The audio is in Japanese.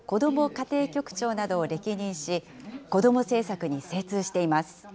家庭局長などを歴任し、子ども政策に精通しています。